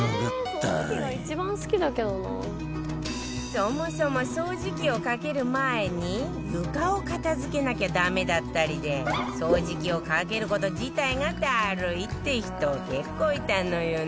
そもそも掃除機をかける前に床を片付けなきゃダメだったりで掃除機をかける事自体がダルいって人結構いたのよね